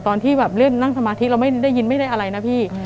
ตอนที่แบบเล่นนั่งสมาธิเราไม่ได้ยินไม่ได้อะไรนะพี่